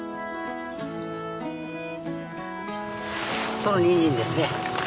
そのニンジンですね。